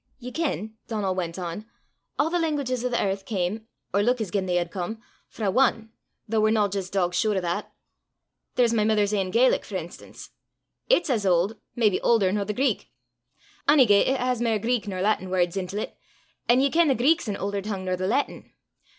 "Ye ken," Donal went on, "a' the languages o' the earth cam, or luik as gien they had come, frae ane, though we're no jist dogsure o' that. There's my mither's ain Gaelic, for enstance: it's as auld, maybe aulder nor the Greek; onygait, it has mair Greek nor Laitin words intil 't, an' ye ken the Greek's an aulder tongue nor the Laitin.